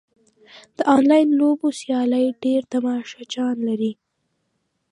د انلاین لوبو سیالۍ ډېر تماشچیان لري.